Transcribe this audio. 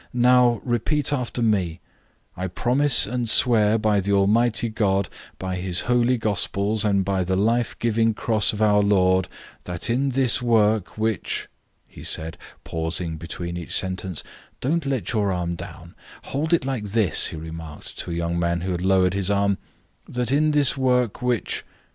"Now, repeat after me, 'I promise and swear, by the Almighty God, by His holy gospels, and by the life giving cross of our Lord, that in this work which,'" he said, pausing between each sentence "don't let your arm down; hold it like this," he remarked to a young man who had lowered his arm "'that in this work which